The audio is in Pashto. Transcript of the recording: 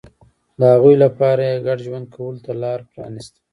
د هغوی لپاره یې ګډ ژوند کولو ته لار پرانېسته